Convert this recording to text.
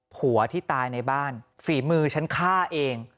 ผัวที่ตายในบ้านฝีมือฉันฆ่าเอง